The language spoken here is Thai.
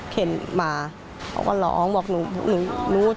เข็นหมาเขาก็หลองบอกหนูนุ๊ด